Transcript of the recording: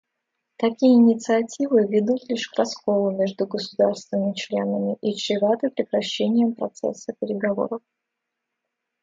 Такие инициативы ведут лишь к расколу между государствами-членами и чреваты прекращением процесса переговоров.